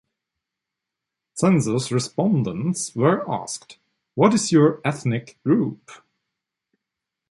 Census respondents were asked What is your ethnic group?